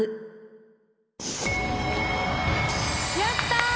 やった！